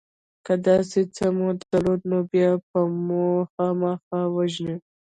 که داسې څه مو درلودل نو بیا به مو خامخا وژني